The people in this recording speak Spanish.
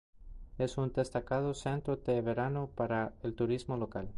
Es un destacado centro de verano para el turismo local.